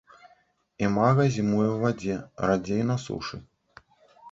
Імага зімуе ў вадзе, радзей на сушы.